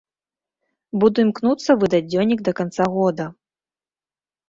Буду імкнуцца выдаць дзённік да канца года.